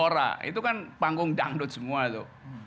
ya itu kan panggung dangdut semua itu